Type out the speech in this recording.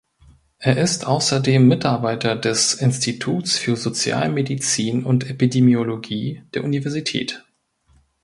Er ist außerdem Mitarbeiter des "Instituts für Sozialmedizin und Epidemiologie" der Universität.